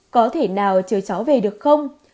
có thể nào chờ cháu về được không